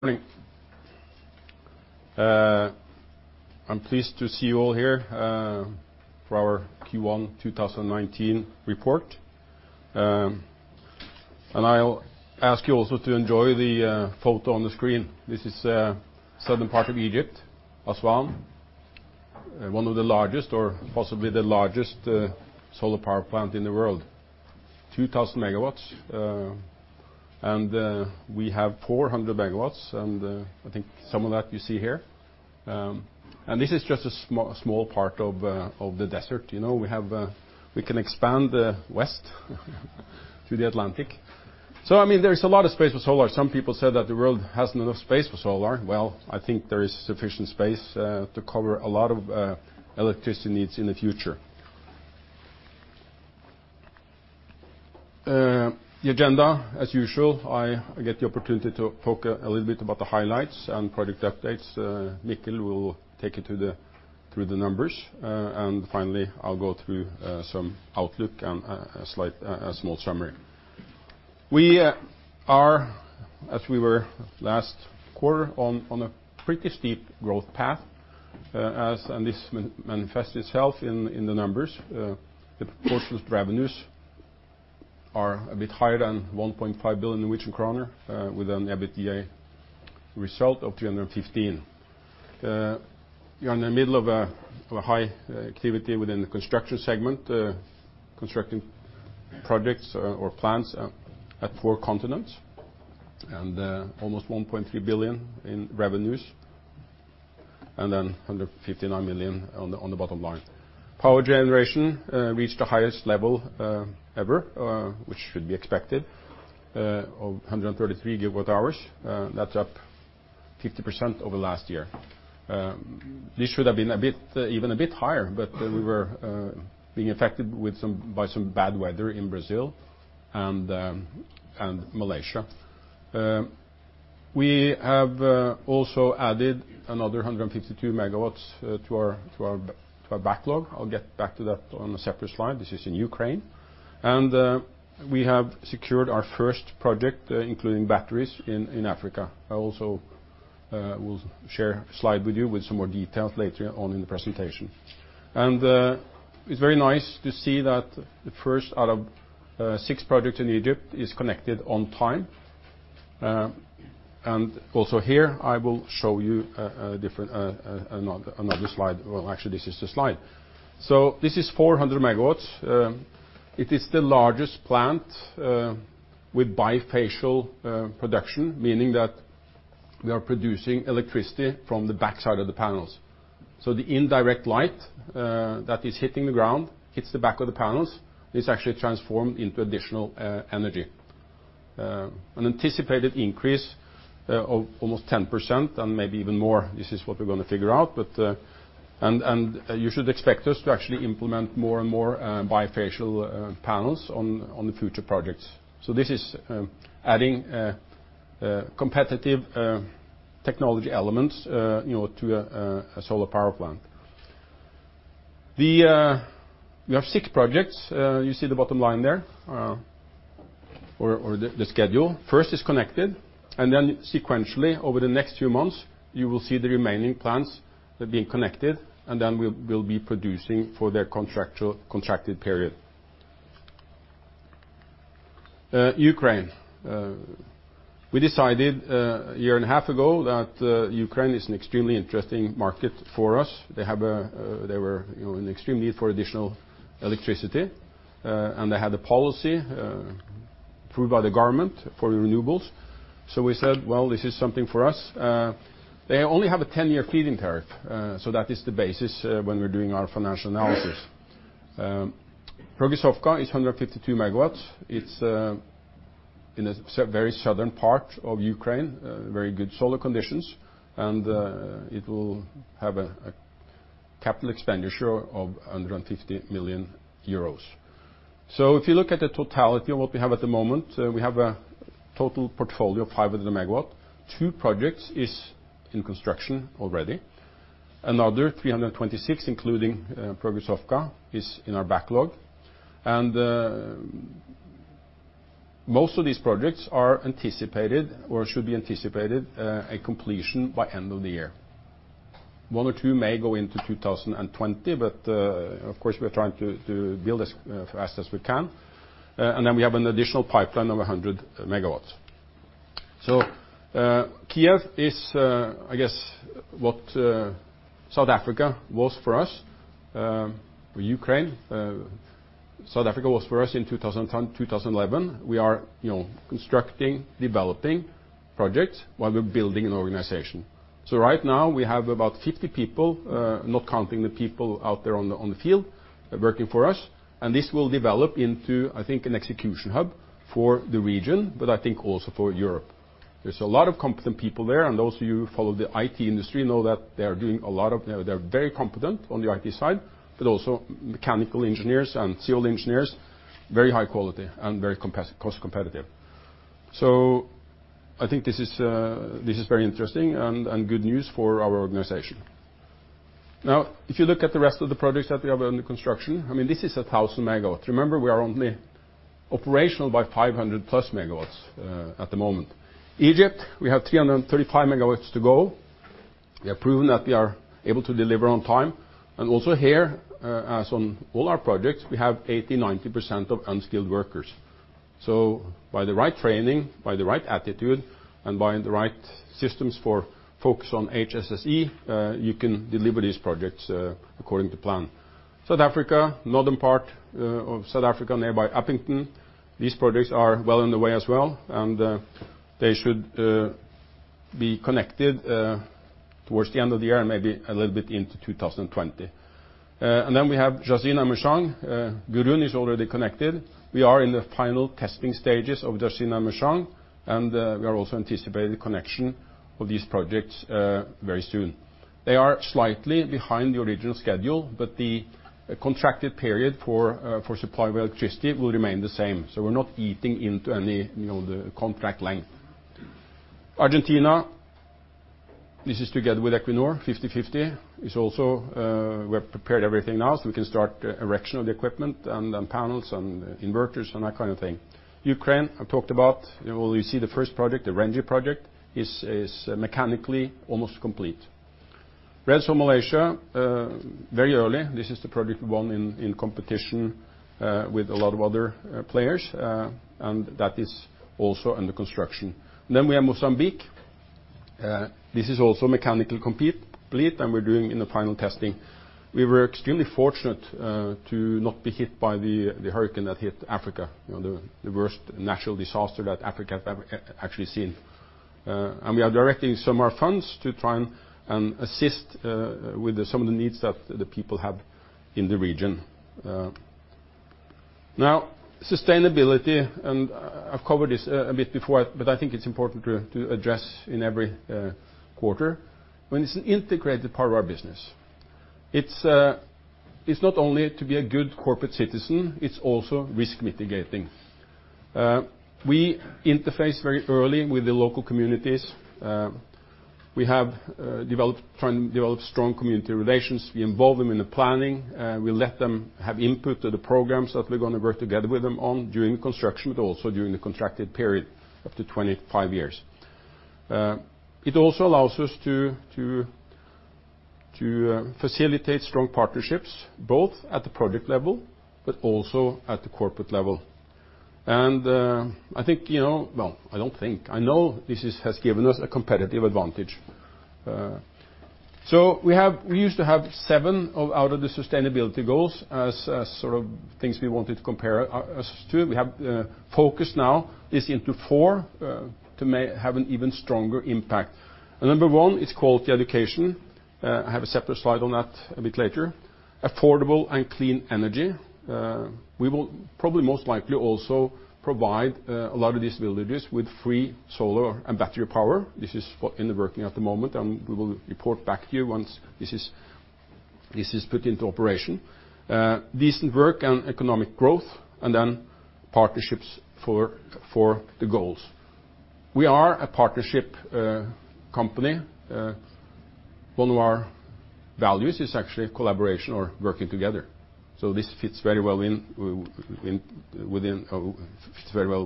Morning. I'm pleased to see you all here for our Q1 2019 report. I'll ask you also to enjoy the photo on the screen. This is southern part of Egypt, Aswan, one of the largest, or possibly the largest solar power plant in the world, 2,000 megawatts. We have 400 megawatts, and I think some of that you see here. This is just a small part of the desert. We can expand west to the Atlantic. I mean, there is a lot of space for solar. Some people said that the world hasn't enough space for solar. I think there is sufficient space to cover a lot of electricity needs in the future. The agenda, as usual, I get the opportunity to talk a little bit about the highlights and product updates. Mikkel will take you through the numbers. Finally, I'll go through some outlook and a small summary. We are, as we were last quarter, on a pretty steep growth path. This manifests itself in the numbers. The reported revenues are a bit higher than 1.5 billion Norwegian kroner, with an EBITDA result of 315 million. We are in the middle of a high activity within the construction segment, constructing projects or plants at four continents, and almost 1.3 billion in revenues, and then 159 million on the bottom line. Power generation reached the highest level ever, which should be expected, of 133 gigawatt hours. That's up 50% over last year. This should have been even a bit higher, but we were being affected by some bad weather in Brazil and Malaysia. We have also added another 152 megawatts to our backlog. I'll get back to that on a separate slide. This is in Ukraine. We have secured our first project, including batteries in Africa. I also will share a slide with you with some more details later on in the presentation. It's very nice to see that the first out of six projects in Egypt is connected on time. Also here, I will show you another slide. Actually, this is the slide. This is 400 megawatts. It is the largest plant with bifacial production, meaning that we are producing electricity from the backside of the panels. The indirect light that is hitting the ground hits the back of the panels, is actually transformed into additional energy. An anticipated increase of almost 10% and maybe even more, this is what we're going to figure out. You should expect us to actually implement more and more bifacial panels on the future projects. This is adding competitive technology elements to a solar power plant. We have six projects. You see the bottom line there, or the schedule. First is connected, and then sequentially over the next few months, you will see the remaining plants being connected, and then we'll be producing for their contracted period. Ukraine. We decided a year and a half ago that Ukraine is an extremely interesting market for us. They were in extreme need for additional electricity, and they had a policy approved by the government for renewables. We said, "This is something for us." They only have a 10-year feed-in tariff. That is the basis when we're doing our financial analysis. Progressovka is 152 megawatts. It's in a very southern part of Ukraine, very good solar conditions, and it will have a capital expenditure of 150 million euros. If you look at the totality of what we have at the moment, we have a total portfolio of 500 MW. Two projects is in construction already. Another 326, including Progressovka, is in our backlog. Most of these projects are anticipated, or should be anticipated, a completion by end of the year. One or two may go into 2020, of course, we're trying to build as fast as we can. Then we have an additional pipeline of 100 MW. Kyiv is, I guess, what South Africa was for us, or Ukraine. South Africa was for us in 2010, 2011. We are constructing, developing projects while we're building an organization. Right now, we have about 50 people, not counting the people out there on the field that are working for us. This will develop into, I think, an execution hub for the region, I think also for Europe. There's a lot of competent people there, and those of you who follow the IT industry know that they are very competent on the IT side, but also mechanical engineers and civil engineers, very high quality and very cost competitive. I think this is very interesting and good news for our organization. Now, if you look at the rest of the projects that we have under construction, this is 1,000 MW. Remember, we are only operational by 500+ MW at the moment. Egypt, we have 335 MW to go. We have proven that we are able to deliver on time, and also here, as on all our projects, we have 80%-90% of unskilled workers. By the right training, by the right attitude, and by the right systems for focus on HSSE, you can deliver these projects according to plan. South Africa, northern part of South Africa, nearby Upington, these projects are well on the way as well, and they should be connected towards the end of the year, and maybe a little bit into 2020. We have Jazan and Masharoq. Burgan is already connected. We are in the final testing stages of Jazan and Masharoq, and we are also anticipating the connection of these projects very soon. They are slightly behind the original schedule, the contracted period for supply of electricity will remain the same. We're not eating into any of the contract length. Argentina, this is together with Equinor, 50/50. We have prepared everything now, we can start erection of the equipment and then panels and inverters and that kind of thing. Ukraine, I talked about. You see the first project, the Rengy project, is mechanically almost complete. Redsol, Malaysia, very early. This is the project we won in competition with a lot of other players, and that is also under construction. We have Mozambique. This is also mechanical complete, and we're doing in the final testing. We were extremely fortunate to not be hit by the hurricane that hit Africa, the worst natural disaster that Africa has ever actually seen. We are directing some of our funds to try and assist with some of the needs that the people have in the region. Sustainability, and I've covered this a bit before, I think it's important to address in every quarter. It's an integrated part of our business. It's not only to be a good corporate citizen, it's also risk mitigating. We interface very early with the local communities. We have tried to develop strong community relations. We involve them in the planning. We let them have input to the programs that we're going to work together with them on during construction, but also during the contracted period up to 25 years. It also allows us to facilitate strong partnerships, both at the project level, but also at the corporate level. I know this has given us a competitive advantage. We used to have 7 out of the sustainability goals as things we wanted to compare us to. We have focused now this into 4 to have an even stronger impact. Number 1 is quality education. I have a separate slide on that a bit later. Affordable and clean energy. We will probably most likely also provide a lot of these villages with free solar and battery power. This is in the working at the moment, and we will report back to you once this is put into operation. Decent work and economic growth, then partnerships for the goals. We are a partnership company. One of our values is actually collaboration or working together. This fits very well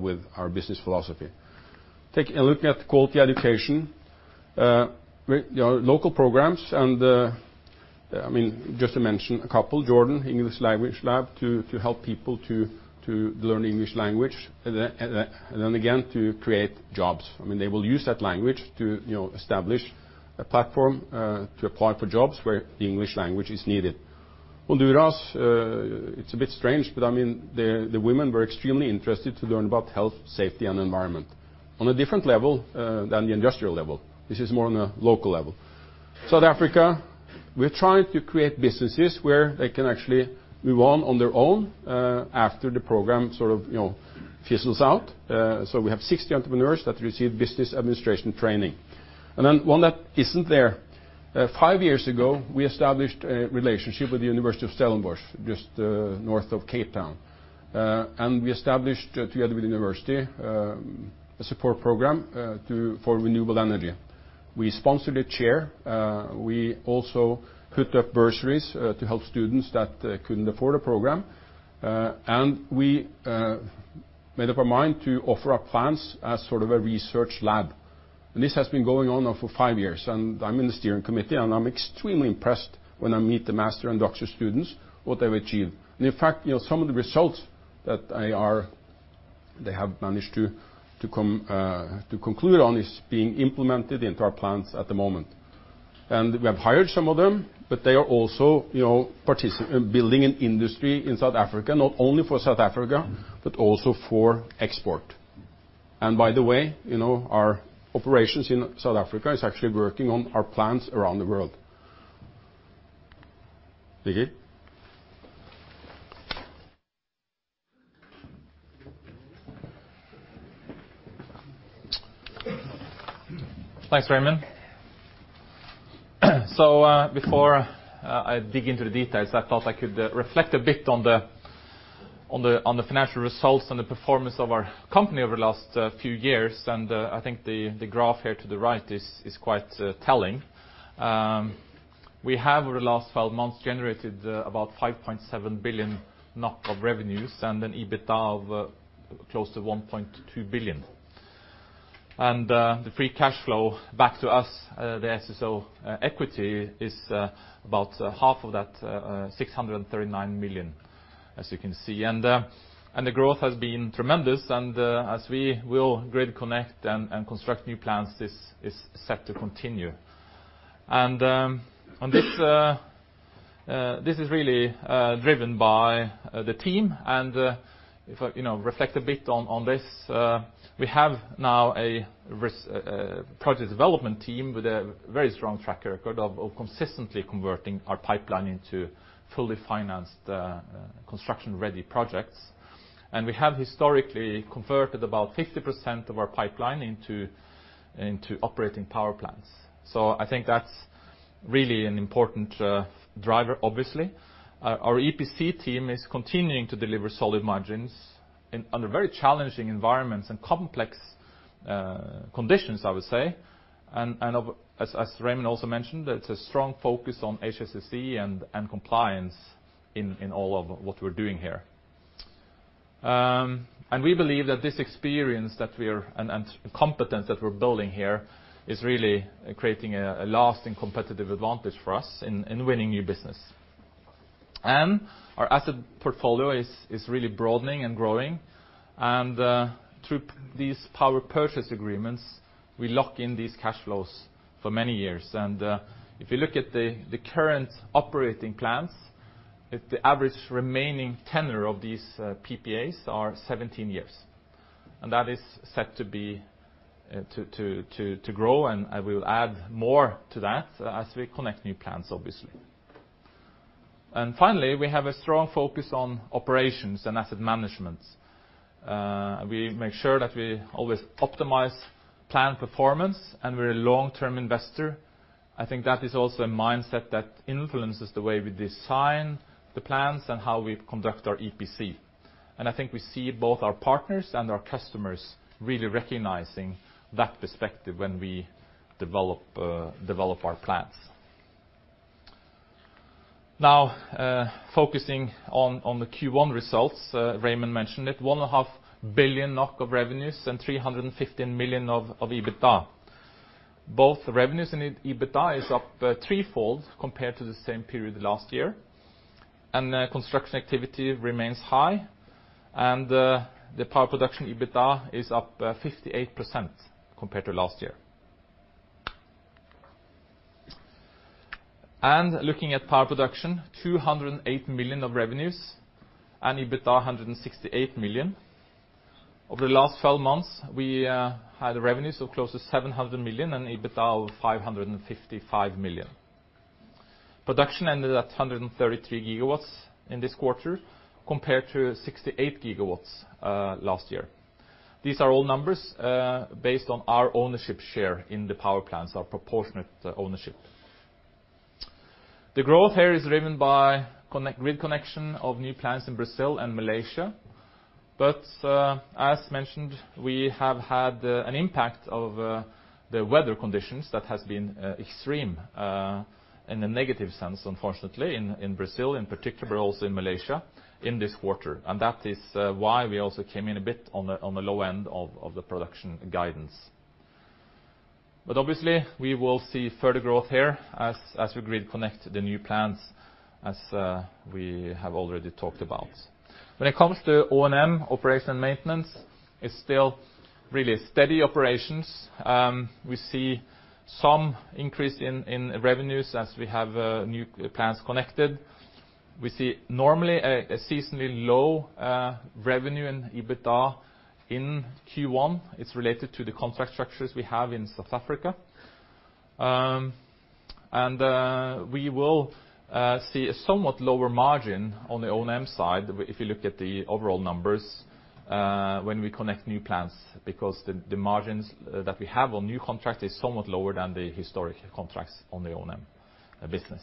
with our business philosophy. Take a look at quality education. Local programs, just to mention a couple, Jordan English Language Lab to help people to learn English language, then again to create jobs. They will use that language to establish a platform to apply for jobs where the English language is needed. Honduras, it's a bit strange, but the women were extremely interested to learn about Health, Safety, and Environment on a different level than the industrial level. This is more on a local level. South Africa, we're trying to create businesses where they can actually move on their own after the program sort of fizzles out. We have 60 entrepreneurs that receive business administration training. Then 1 that isn't there. 5 years ago, we established a relationship with Stellenbosch University, just north of Cape Town. We established together with the university a support program for renewable energy. We sponsored a chair. We also put up bursaries to help students that couldn't afford a program. We made up our mind to offer our plants as sort of a research lab. This has been going on now for 5 years, I'm in the steering committee, I'm extremely impressed when I meet the master and doctor students, what they've achieved. In fact, some of the results that they have managed to conclude on is being implemented into our plants at the moment. We have hired some of them, but they are also building an industry in South Africa, not only for South Africa, but also for export. By the way, our operations in South Africa is actually working on our plants around the world. Viggo? Thanks, Raymond. Before I dig into the details, I thought I could reflect a bit on the financial results and the performance of our company over the last few years. I think the graph here to the right is quite telling. We have, over the last 12 months, generated about 5.7 billion NOK of revenues and an EBITDA of close to 1.2 billion. The free cash flow back to us, the SSO equity, is about half of that, 639 million, as you can see. The growth has been tremendous, and as we will grid connect and construct new plants, this is set to continue. This is really driven by the team. If I reflect a bit on this, we have now a project development team with a very strong track record of consistently converting our pipeline into fully financed, construction-ready projects. We have historically converted about 50% of our pipeline into operating power plants. I think that's really an important driver, obviously. Our EPC team is continuing to deliver solid margins under very challenging environments and complex conditions, I would say. As Raymond also mentioned, it's a strong focus on HSSE and compliance in all of what we're doing here. We believe that this experience and competence that we're building here is really creating a lasting competitive advantage for us in winning new business. Our asset portfolio is really broadening and growing. Through these power purchase agreements, we lock in these cash flows for many years. If you look at the current operating plans, the average remaining tenure of these PPAs are 17 years, and that is set to grow. We will add more to that as we connect new plants, obviously. Finally, we have a strong focus on operations and asset management. We make sure that we always optimize plant performance, and we're a long-term investor. I think that is also a mindset that influences the way we design the plants and how we conduct our EPC. I think we see both our partners and our customers really recognizing that perspective when we develop our plants. Now, focusing on the Q1 results, Raymond mentioned it, 1.5 billion NOK of revenues and 315 million of EBITDA. Both revenues and EBITDA is up threefold compared to the same period last year. Construction activity remains high. The power production EBITDA is up 58% compared to last year. Looking at power production, 208 million of revenues and EBITDA 168 million. Over the last 12 months, we had revenues of close to 700 million and EBITDA of 555 million. Production ended at 133 gigawatts in this quarter compared to 68 gigawatts last year. These are all numbers based on our ownership share in the power plants, our proportionate ownership. The growth here is driven by grid connection of new plants in Brazil and Malaysia. As mentioned, we have had an impact of the weather conditions that has been extreme in a negative sense, unfortunately, in Brazil in particular, but also in Malaysia in this quarter. That is why we also came in a bit on the low end of the production guidance. Obviously, we will see further growth here as we grid connect the new plants, as we have already talked about. When it comes to O&M, operations and maintenance, it's still really steady operations. We see some increase in revenues as we have new plants connected. We see normally a seasonally low revenue and EBITDA in Q1. It is related to the contract structures we have in South Africa. We will see a somewhat lower margin on the O&M side if you look at the overall numbers when we connect new plants, because the margins that we have on new contracts is somewhat lower than the historic contracts on the O&M business.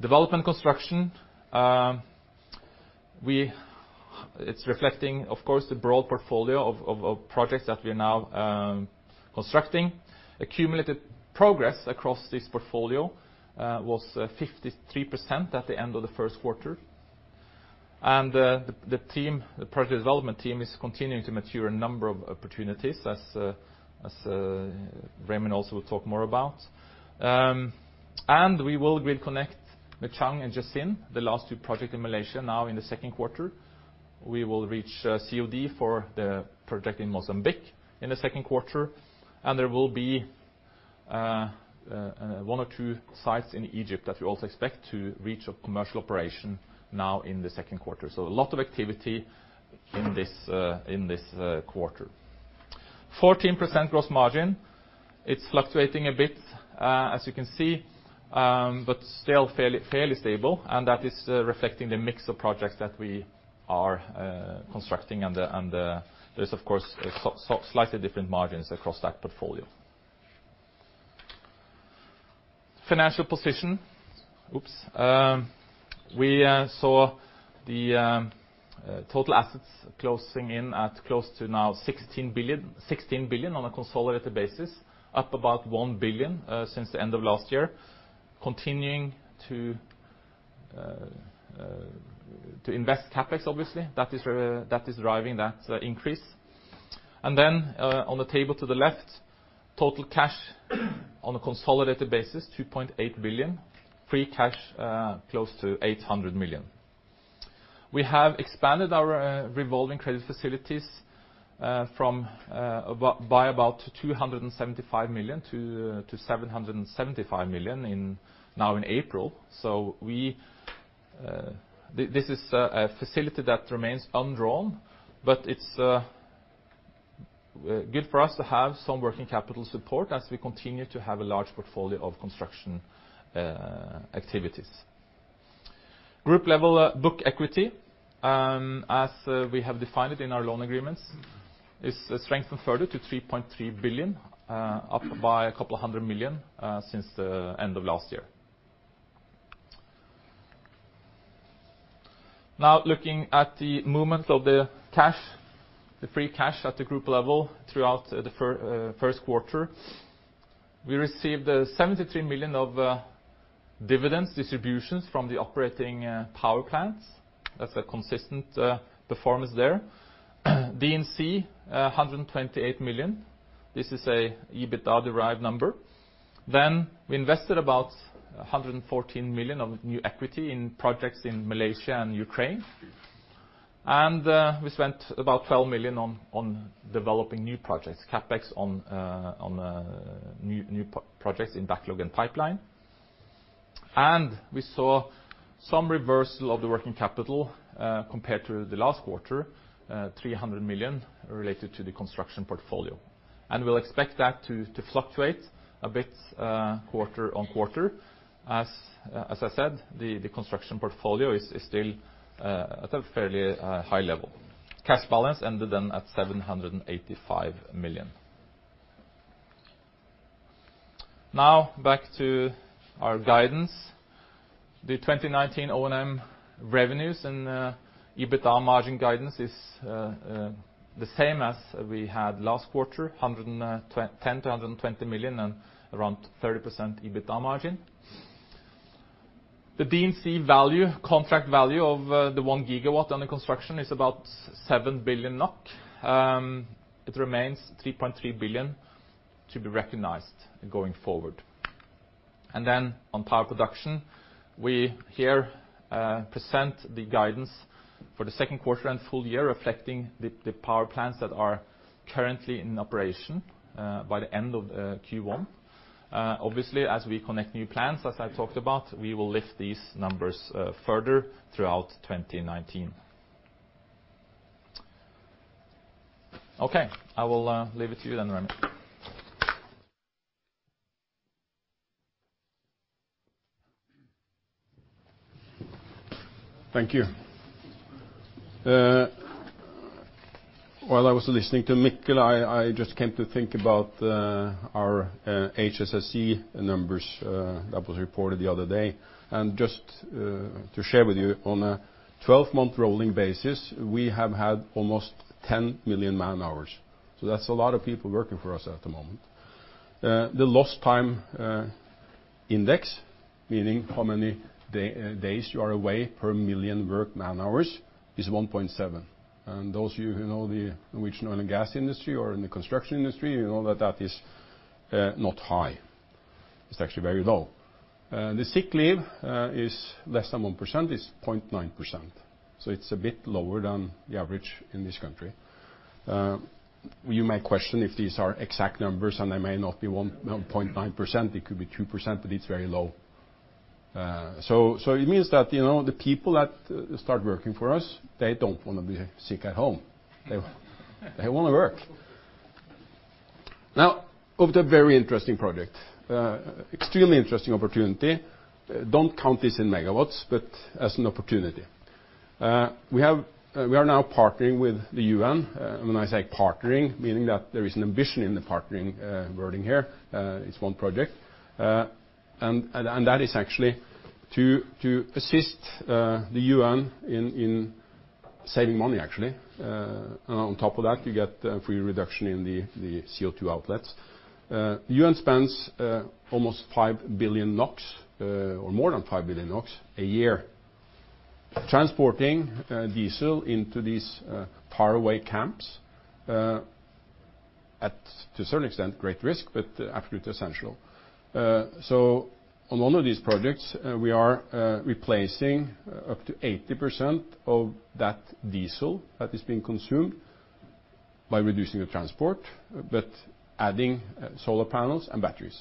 Development Construction. It is reflecting, of course, the broad portfolio of projects that we are now constructing. Accumulated progress across this portfolio was 53% at the end of the first quarter. The project development team is continuing to mature a number of opportunities, as Raymond also will talk more about. We will grid connect Merchang and Jasin, the last two project in Malaysia, now in the second quarter. We will reach COD for the project in Mozambique in the second quarter, there will be one or two sites in Egypt that we also expect to reach a commercial operation now in the second quarter. A lot of activity in this quarter. 14% gross margin. It is fluctuating a bit, as you can see, but still fairly stable, and that is reflecting the mix of projects that we are constructing. There is, of course, slightly different margins across that portfolio. Financial position. Oops. We saw the total assets closing in at close to 16 billion on a consolidated basis, up about 1 billion since the end of last year. Continuing to invest CapEx, obviously, that is driving that increase. On the table to the left, total cash on a consolidated basis, 2.8 billion. Free cash, close to 800 million. We have expanded our revolving credit facilities by about 275 million to 775 million now in April. This is a facility that remains undrawn, but it is good for us to have some working capital support as we continue to have a large portfolio of construction activities. Group level book equity, as we have defined it in our loan agreements, is strengthened further to 3.3 billion, up by 200 million since the end of last year. Looking at the movement of the free cash at the group level throughout the first quarter. We received 73 million of dividends distributions from the operating power plants. That is a consistent performance there. D&C, 128 million. This is an EBITDA-derived number. We invested about 114 million of new equity in projects in Malaysia and Ukraine, we spent about 12 million on developing new projects, CapEx on new projects in backlog and pipeline. We saw some reversal of the working capital compared to the last quarter, 300 million related to the construction portfolio. We will expect that to fluctuate a bit quarter-on-quarter. As I said, the construction portfolio is still at a fairly high level. Cash balance ended then at 785 million. Back to our guidance. The 2019 O&M revenues and EBITDA margin guidance is the same as we had last quarter, 110 million-120 million and around 30% EBITDA margin. The D&C contract value of the 1 gigawatt under construction is about 7 billion NOK. It remains 3.3 billion to be recognized going forward. On power production, we here present the guidance for the second quarter and full year, reflecting the power plants that are currently in operation by the end of Q1. Obviously, as we connect new plants, as I talked about, we will lift these numbers further throughout 2019. I will leave it to you then, Raymond. Thank you. While I was listening to Mikkel, I just came to think about our HSSE numbers that was reported the other day. Just to share with you, on a 12-month rolling basis, we have had almost 10 million man-hours. That's a lot of people working for us at the moment. The lost time index, meaning how many days you are away per million work man-hours, is 1.7. Those of you who know the Norwegian oil and gas industry or in the construction industry, you know that is not high. It's actually very low. The sick leave is less than 1%, it's 0.9%. It's a bit lower than the average in this country. You may question if these are exact numbers, and they may not be 0.9%, it could be 2%, but it's very low. It means that the people that start working for us, they don't want to be sick at home. They want to work. Of the very interesting project, extremely interesting opportunity. Don't count this in megawatts, but as an opportunity. We are now partnering with the UN. When I say partnering, meaning that there is an ambition in the partnering wording here. It's one project. That is actually to assist the UN in saving money, actually. On top of that, you get free reduction in the CO2 outlets. UN spends almost 5 billion NOK, or more than 5 billion NOK a year transporting diesel into these far away camps at, to a certain extent, great risk, but absolutely essential. On one of these projects, we are replacing up to 80% of that diesel that is being consumed by reducing the transport, but adding solar panels and batteries.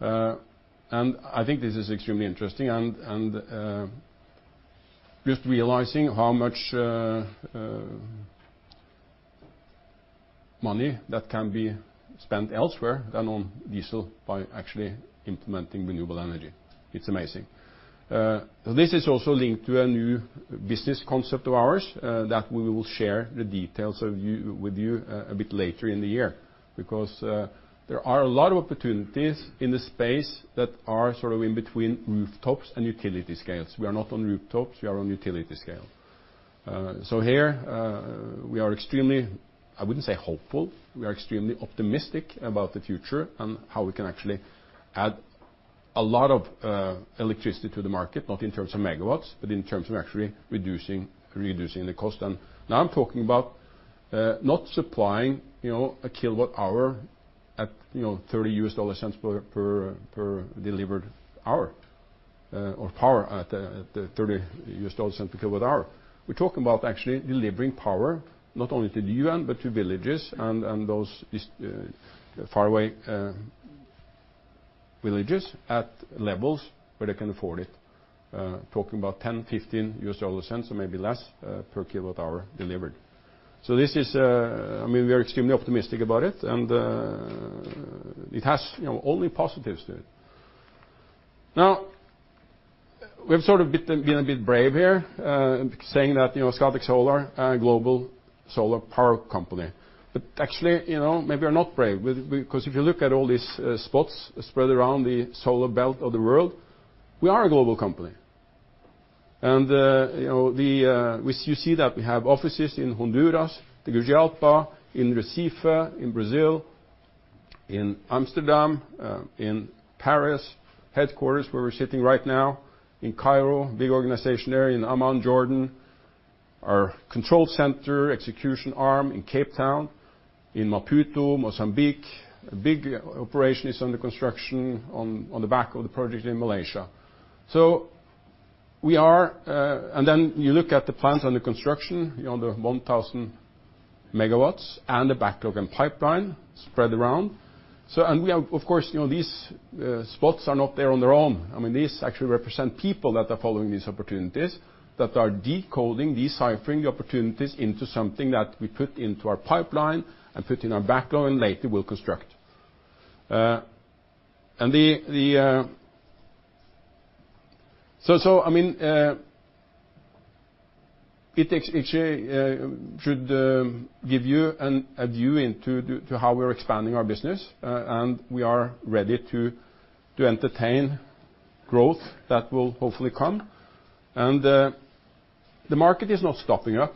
I think this is extremely interesting, just realizing how much money that can be spent elsewhere than on diesel by actually implementing renewable energy. It's amazing. This is also linked to a new business concept of ours that we will share the details with you a bit later in the year, because there are a lot of opportunities in the space that are sort of in between rooftops and utility scales. We are not on rooftops, we are on utility scale. Here we are extremely, I wouldn't say hopeful, we are extremely optimistic about the future and how we can actually add a lot of electricity to the market, not in terms of megawatts, but in terms of actually reducing the cost. Now I'm talking about not supplying a kilowatt hour at $0.30 per delivered hour of power at the $0.30 per kilowatt hour. We're talking about actually delivering power not only to the UN, but to villages and those faraway villages at levels where they can afford it. Talking about $0.10, $0.15 or maybe less per kilowatt hour delivered. We are extremely optimistic about it, and it has only positives to it. We've sort of been a bit brave here, saying that Scatec Solar, a global solar power company. Actually, maybe we are not brave because if you look at all these spots spread around the solar belt of the world, we are a global company. You see that we have offices in Honduras, Tegucigalpa, in Recife, in Brazil, in Amsterdam, in Paris, headquarters where we're sitting right now, in Cairo, big organization there, in Amman, Jordan. Our control center execution arm in Cape Town, in Maputo, Mozambique. A big operation is under construction on the back of the project in Malaysia. You look at the plants under construction, the 1,000 megawatts and the backlog and pipeline spread around. Of course, these spots are not there on their own. These actually represent people that are following these opportunities, that are decoding, deciphering the opportunities into something that we put into our pipeline and put in our backlog, and later we'll construct. It should give you a view into how we are expanding our business, and we are ready to entertain growth that will hopefully come. The market is not stopping up,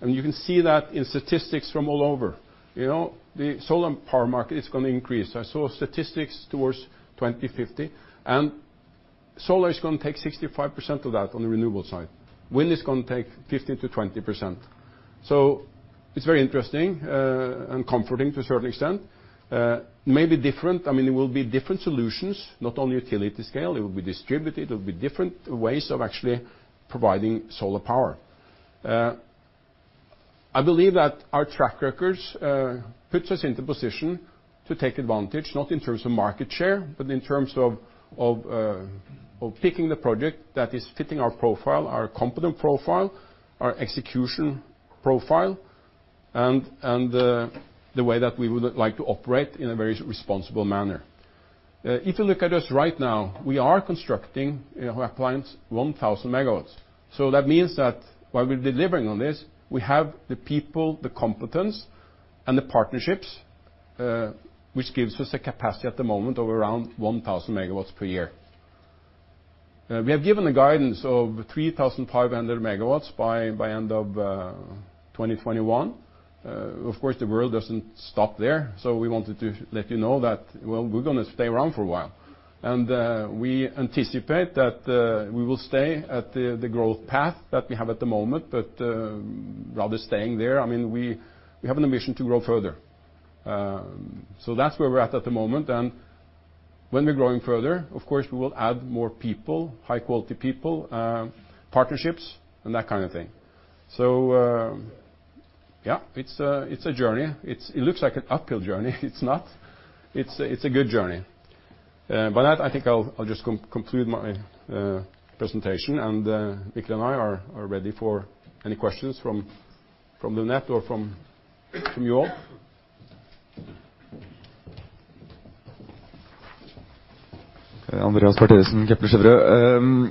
and you can see that in statistics from all over. The solar power market is going to increase. I saw statistics towards 2050, solar is going to take 65% of that on the renewable side. Wind is going to take 15%-20%. It's very interesting, and comforting to a certain extent. Maybe different, it will be different solutions, not only utility scale. It will be distributed. It'll be different ways of actually providing solar power. I believe that our track records puts us into position to take advantage, not in terms of market share, but in terms of picking the project that is fitting our profile, our competent profile, our execution profile, and the way that we would like to operate in a very responsible manner. If you look at us right now, we are constructing plants 1,000 megawatts. That means that while we're delivering on this, we have the people, the competence and the partnerships, which gives us a capacity at the moment of around 1,000 megawatts per year. We have given a guidance of 3,500 megawatts by end of 2021. The world doesn't stop there, we wanted to let you know that, well, we're going to stay around for a while. We anticipate that we will stay at the growth path that we have at the moment. Rather staying there, we have an ambition to grow further. That's where we're at at the moment, and when we're growing further, of course, we will add more people, high-quality people, partnerships and that kind of thing. Yeah, it's a journey. It looks like an uphill journey. It's not. It's a good journey. I think I'll just conclude my presentation, and Mikkel and I are ready for any questions from the net or from you all. Andreas Bertelsen, Kepler Cheuvreux.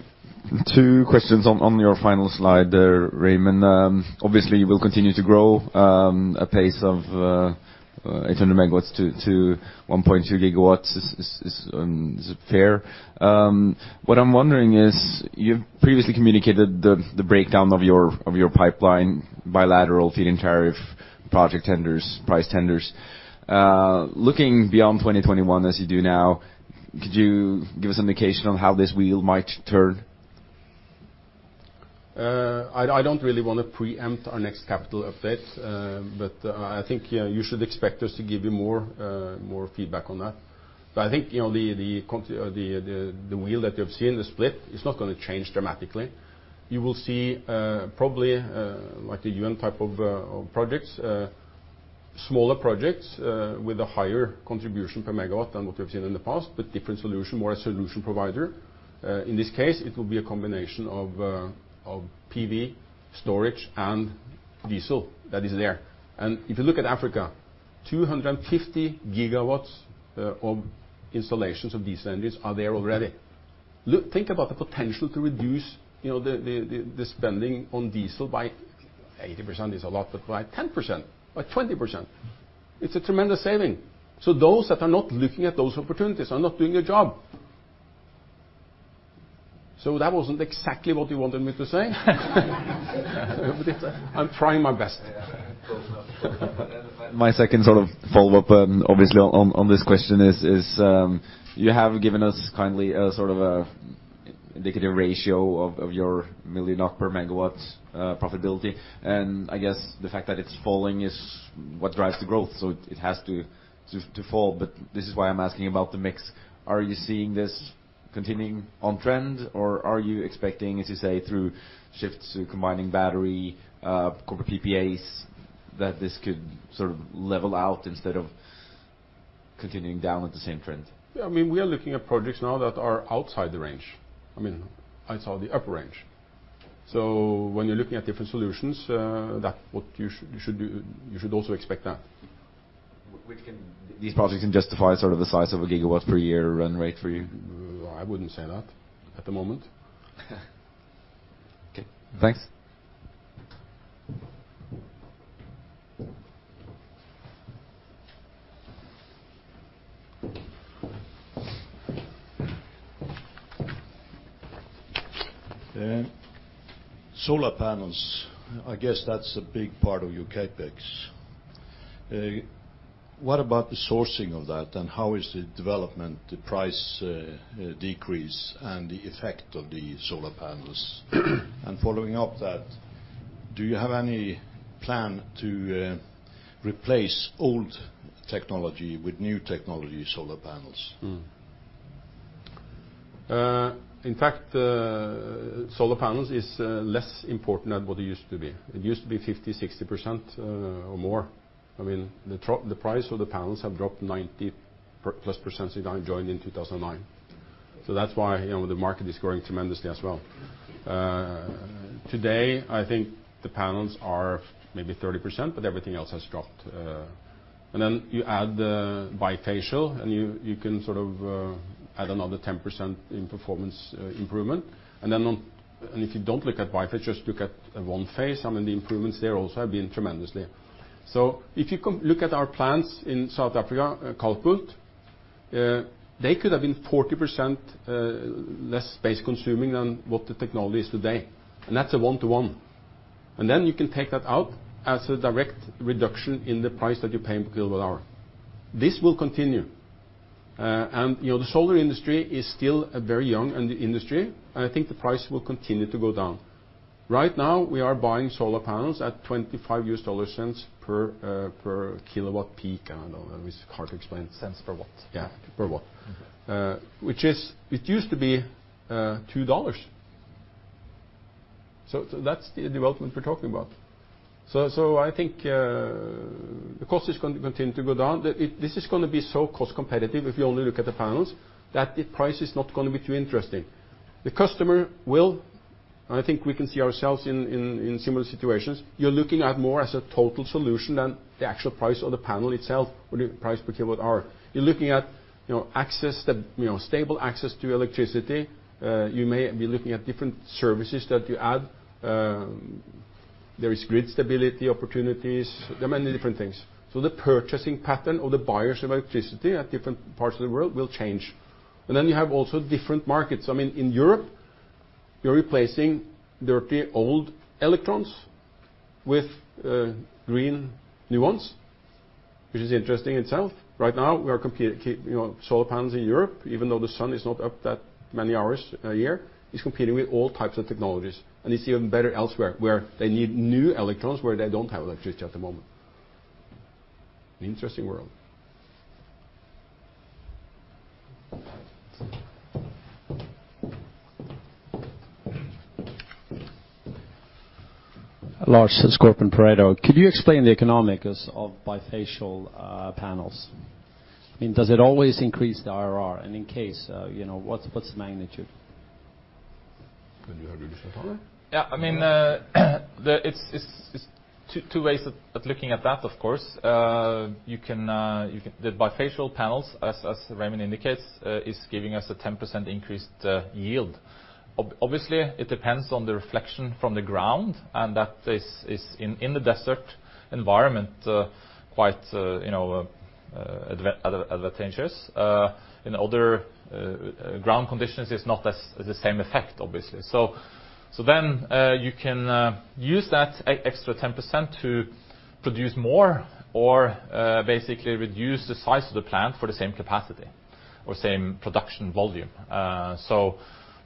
Two questions on your final slide there, Raymond. Obviously, you will continue to grow at pace of 800 MW to 1.2 GW. Is it fair? What I'm wondering is, you've previously communicated the breakdown of your pipeline, bilateral feed-in tariff, project tenders, price tenders. Looking beyond 2021, as you do now, could you give us an indication on how this wheel might turn? I don't really want to preempt our next capital update, but I think you should expect us to give you more feedback on that. I think the wheel that you have seen, the split, is not going to change dramatically. You will see probably like the UN type of projects, smaller projects with a higher contribution per MW than what we have seen in the past, but different solution, more a solution provider. In this case, it will be a combination of PV storage and diesel that is there. If you look at Africa, 250 GW of installations of these engines are there already. Think about the potential to reduce the spending on diesel by 80% is a lot, but by 10%, by 20%, it's a tremendous saving. Those that are not looking at those opportunities are not doing their job. That wasn't exactly what you wanted me to say. I'm trying my best. Close enough. My second sort of follow-up obviously on this question is, you have given us kindly a sort of indicative ratio of your million NOK per megawatt profitability, and I guess the fact that it's falling is what drives the growth. It has to fall. This is why I'm asking about the mix. Are you seeing this continuing on trend, or are you expecting, as you say, through shifts to combining battery, corporate PPAs, that this could sort of level out instead of continuing down with the same trend? We are looking at projects now that are outside the range. Outside the upper range. When you're looking at different solutions, you should also expect that. These projects can justify sort of the size of a gigawatt per year run rate for you? I wouldn't say that at the moment. Okay, thanks. Solar panels, I guess that's a big part of your CapEx. What about the sourcing of that, and how is the development, the price decrease, and the effect of the solar panels? Following up that, do you have any plan to replace old technology with new technology solar panels? In fact, solar panels is less important than what it used to be. It used to be 50%, 60% or more. The price of the panels have dropped 90-plus % since I joined in 2009. That's why the market is growing tremendously as well. Today, I think the panels are maybe 30%, but everything else has dropped. Then you add the bifacial, and you can sort of add another 10% in performance improvement. If you don't look at bifacial, just look at one face. The improvements there also have been tremendously. If you look at our plants in South Africa, Kalkbult, they could have been 40% less space-consuming than what the technology is today, and that's a one-to-one. Then you can take that out as a direct reduction in the price that you pay per kilowatt hour. This will continue. The solar industry is still a very young industry. I think the price will continue to go down. Right now, we are buying solar panels at $0.25 per kilowatt peak. I don't know, that is hard to explain. Cents per watt. Yeah, per watt. It used to be $2. That's the development we're talking about. I think the cost is going to continue to go down. This is going to be so cost competitive if you only look at the panels, that the price is not going to be too interesting. The customer will, and I think we can see ourselves in similar situations, you're looking at more as a total solution than the actual price of the panel itself or the price per kilowatt hour. You're looking at stable access to electricity. You may be looking at different services that you add. There is grid stability opportunities. There are many different things. The purchasing pattern of the buyers of electricity at different parts of the world will change. Then you have also different markets. In Europe, you're replacing dirty old electrons with green new ones, which is interesting itself. Right now, solar panels in Europe, even though the sun is not up that many hours a year, is competing with all types of technologies. It's even better elsewhere where they need new electrons, where they don't have electricity at the moment. An interesting world. Lars Skorpen Pareto. Could you explain the economics of bifacial panels? Does it always increase the IRR? In case, what's the magnitude? Can you handle this, or? Sure. Yeah, there's two ways of looking at that, of course. The bifacial panels, as Raymond indicates, is giving us a 10% increased yield. Obviously, it depends on the reflection from the ground, and that is in the desert environment, quite advantageous. In other ground conditions, it's not the same effect, obviously. You can use that extra 10% to produce more or basically reduce the size of the plant for the same capacity or same production volume.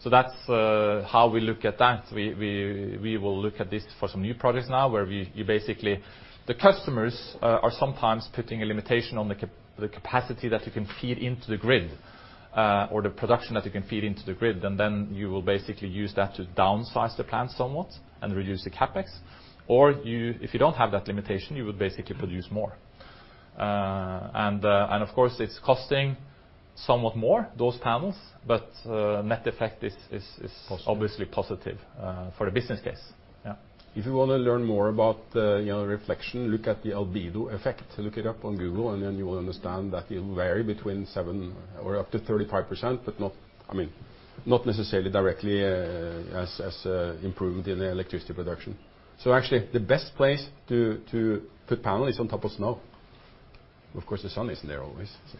That's how we look at that. We will look at this for some new projects now. The customers are sometimes putting a limitation on the capacity that you can feed into the grid or the production that you can feed into the grid. You will basically use that to downsize the plant somewhat and reduce the CapEx. If you don't have that limitation, you would basically produce more. Of course, it's costing somewhat more, those panels, but net effect is. Positive obviously positive for a business case. Yeah. If you want to learn more about reflection, look at the albedo effect. Look it up on Google, and then you will understand that it will vary between seven or up to 35%, but not necessarily directly as improvement in electricity production. Actually, the best place to put panel is on top of snow. Of course, the sun isn't there always.